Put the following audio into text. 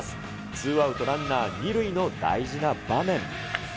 ツーアウトランナー２塁の大事な場面。